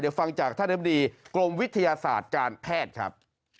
เดี๋ยวฟังจากท่านอำดีกรมวิทยาศาสตร์การแพทย์ครับ